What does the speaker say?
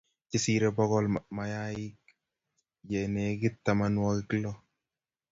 Chesirei bogol, mayaik ye negit tamanwogik lo